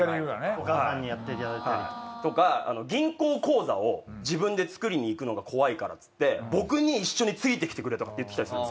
お母さんにやっていただいたり。とか銀行口座を自分で作りに行くのが怖いからっつって僕に一緒について来てくれとか言って来たりするんですよ。